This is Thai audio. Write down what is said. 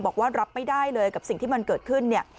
บอกว่ารับไม่ได้เลยกับสิ่งที่มันเกิดขึ้นเนี่ย